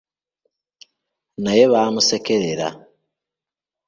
Naye baamusekerera.